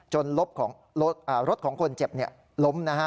จนรถของคนเจ็บล้ม